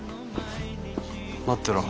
待ってろ。